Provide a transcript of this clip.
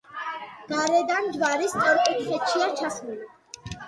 გარედან ჯვარი სწორკუთხედშია ჩასმული.